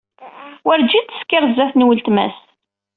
Werǧin teskiṛ sdat n weltma-s.